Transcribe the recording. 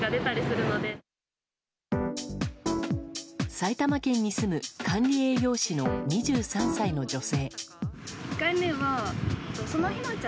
埼玉県に住む管理栄養士の２３歳の女性。